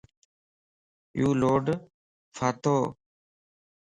يو لوڊ ڦاتوَ